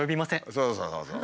そうそうそうそう。